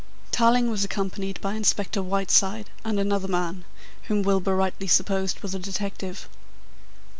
Tarling was accompanied by Inspector Whiteside and another man, whom Milburgh rightly supposed was a detective.